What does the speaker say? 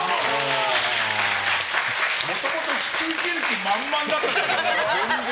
もともと引き受ける気満々だったでしょ。